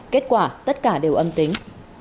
kết quả tất cả đều âm tính